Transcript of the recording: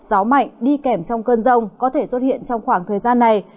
gió mạnh đi kèm trong cơn rông có thể xuất hiện trong khoảng thời gian này